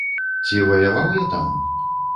Ці ваяваў я там?